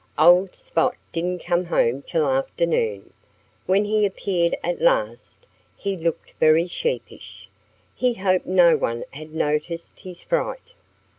Old Spot didn't come home till afternoon. When he appeared at last he looked very sheepish. He hoped no one had noticed his fright.